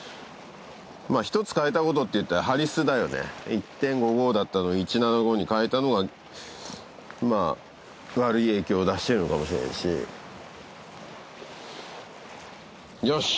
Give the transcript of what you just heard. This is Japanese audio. まぁ１つ変えたことっていったらハリスだよね１．５号だったのを１．７５号に変えたのがまぁ悪い影響を出してるのかもしれんしよし！